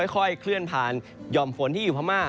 ค่อยเคลื่อนผ่านหย่อมฝนที่อยู่พม่า